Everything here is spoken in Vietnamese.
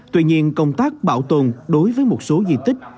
tuy nhiên công tác bảo tồn đối với một số di tích